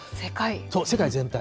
世界全体。